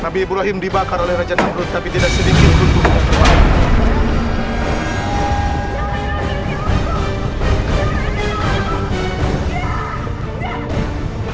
nabi ibrahim dibakar oleh raja dangdut tapi tidak sedikit untuk keluar